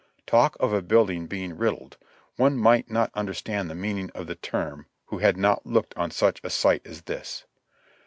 Talk of a build ing being riddled, one might not understand the meaning of the term who had not looked on such a sight as this.